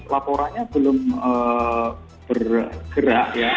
laporannya belum bergerak ya